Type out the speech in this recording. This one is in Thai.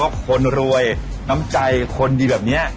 เพราะคนรวยน้ำใจคนดีแบบนี้